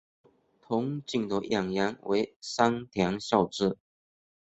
憧憬的演员为山田孝之。